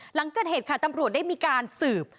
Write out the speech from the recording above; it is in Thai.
หลังเกิดเหตุค่ะตำรวจได้มีการสืบ